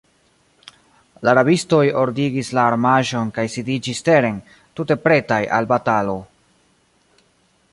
La rabistoj ordigis la armaĵon kaj sidiĝis teren, tute pretaj al batalo.